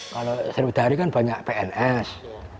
kalau seri widari kan banyak pns